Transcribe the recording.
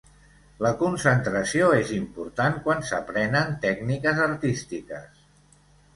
La concentració és important quan s'aprenen tècniques artístiques.